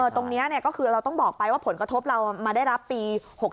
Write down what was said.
ตรงนี้ก็คือเราต้องบอกไปว่าผลกระทบเรามาได้รับปี๖๓